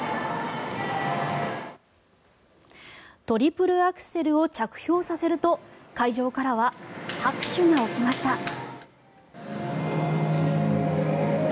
トリプルアクセルを着氷させると会場からは拍手が起きました。